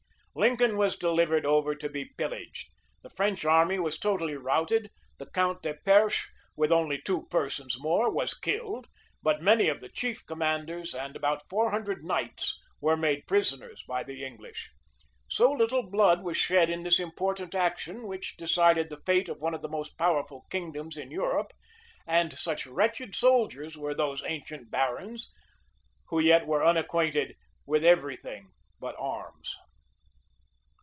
Lincoln was delivered over to be pillaged; the French army was totally routed; the count de Perche, with only two persons more, was killed, but many of the chief commanders, and about four hundred knights, were made prisoners by the English.[] So little blood was shed in this important action, which decided the fate of one of the most powerful kingdoms in Europe; and such wretched soldiers were those ancient barons, who yet were unacquainted with every thing but arms!